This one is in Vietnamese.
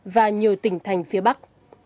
và nhiều tỉnh thành phía bắc